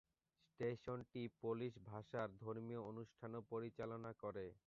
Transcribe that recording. স্টেশনটি পোলিশ ভাষায় ধর্মীয় অনুষ্ঠানও পরিচালনা করে।